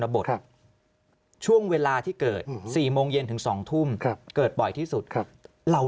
บทช่วงเวลาที่เกิด๔โมงเย็นถึง๒ทุ่มเกิดบ่อยที่สุดครับเรา